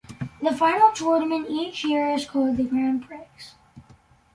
The final tournament each year is called the "Grand Prix".